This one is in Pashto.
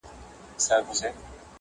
• اوښ به ولي په سرو سترګو نه ژړیږي -